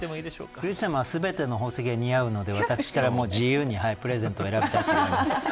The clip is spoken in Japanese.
瑠麗さまは全ての宝石が似合うので私から自由にプレゼント選びたいと思います。